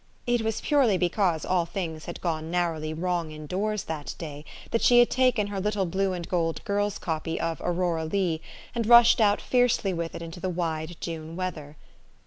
It was purely because all things had gone narrowly wrong in doors that da} r , that she had taken her little blue and gold girls' copy of " Aurora Leigh," and rushed out fiercely with it into the wide June weather.